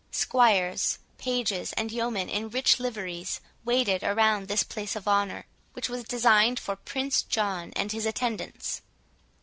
Squires, pages, and yeomen in rich liveries, waited around this place of honour, which was designed for Prince John and his attendants.